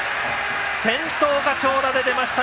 先頭が長打で出ました。